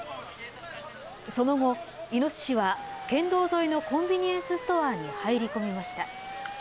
その後、イノシシは県道沿いのコンビニエンスストアに入り込みました。